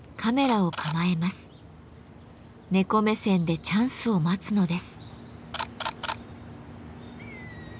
猫目線でチャンスを待つのです。